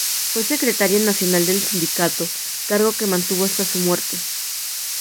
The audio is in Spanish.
Fue secretario nacional del sindicato, cargo que mantuvo hasta su muerte.